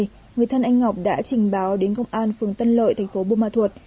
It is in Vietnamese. chín tháng một mươi hai người thân anh ngọc đã trình báo đến công an phường tân lợi thành phố bô ma thuột